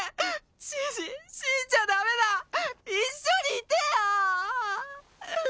じいじ死んじゃダメだ一緒にいてよ！